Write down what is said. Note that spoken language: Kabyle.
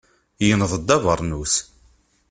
Yenneḍ-d abeṛnus.